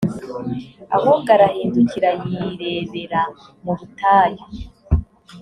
ahubwo arahindukira yirebera mu butayu.